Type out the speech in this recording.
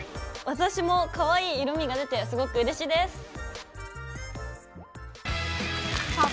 私もかわいい色みが出てすごくうれしいです！